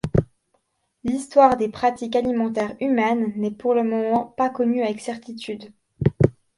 L'histoire des pratiques alimentaires humaines n'est pour le moment pas connue avec certitude.